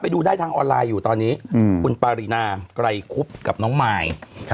ดูได้ทางออนไลน์อยู่ตอนนี้คุณปารีนาไกรคุบกับน้องมาย